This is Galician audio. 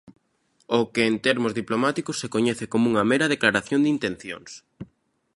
O que en termos diplomáticos se coñece como unha mera declaración de intencións.